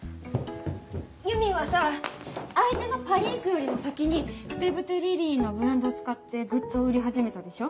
ゆみはさ相手のパリークよりも先に「ふてぶてリリイ」のブランドを使ってグッズを売り始めたでしょ？